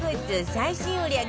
最新売り上げ